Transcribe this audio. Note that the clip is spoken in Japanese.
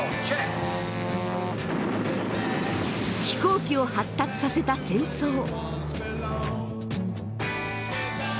飛行機を発達させた戦争。